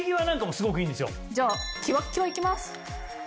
じゃあきわっきわいきます。